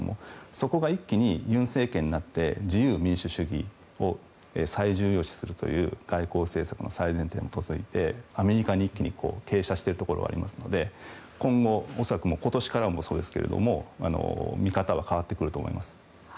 そこが一気に尹政権になって自由民主主義を最重要視するという外交政策の最前線と称してアメリカに一気に傾斜しているところはありますので今後、恐らく、今年からそうですけれども見方は変わってくると思います。